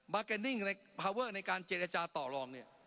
แกนิ่งในพาเวอร์ในการเจรจาต่อลองเนี่ย